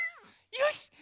よし。